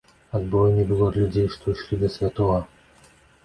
Адбою не было ад людзей, што ішлі да святога.